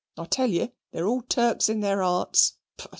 I tell you they are all Turks in their hearts.